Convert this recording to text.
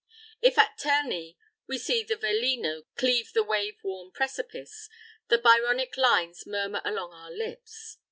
If at Terni we see the Velino "cleave the wave worn precipice," the Byronic lines murmur along our lips.